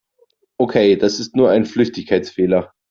Okay, das ist nur ein Flüchtigkeitsfehler.